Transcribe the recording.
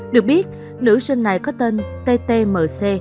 được biết nữ sinh này có tên ttmc